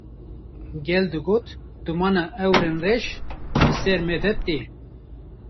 Gel digot: “Dûmana ewrên reş bi ser me de tê”